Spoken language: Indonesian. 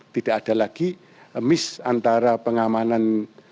tidak ada lagi miss antara pengamanan